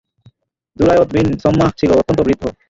দুরায়দ বিন ছম্মাহ ছিল অত্যন্ত বৃদ্ধ।